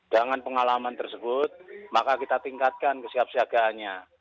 dengan pengalaman tersebut maka kita tingkatkan kesiapsiagaannya